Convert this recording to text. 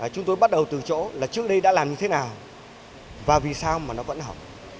chúng tôi bắt đầu từ chỗ là trước đây đã làm như thế nào và vì sao mà nó vẫn hỏng